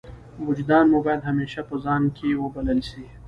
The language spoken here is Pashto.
وجدان مو باید همېشه په ځان کښي وبلل سي.